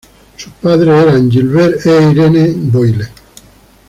Sus padres eran Gilbert e Irene Boyle.